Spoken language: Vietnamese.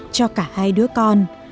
cho cả hai đứa con